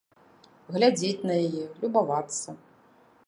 Глядзець на яе, любавацца.